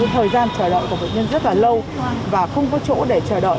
thời gian chờ đợi của bệnh nhân rất là lâu và không có chỗ để chờ đợi